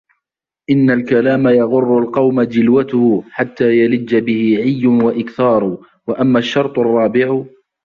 إنَّ الْكَلَامَ يَغُرُّ الْقَوْمَ جِلْوَتُهُ حَتَّى يَلِجَّ بِهِ عِيٌّ وَإِكْثَارُ وَأَمَّا الشَّرْطُ الرَّابِعُ